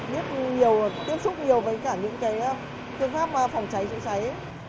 biết nhiều tiếp xúc nhiều với cả những phương pháp phòng cháy chữa cháy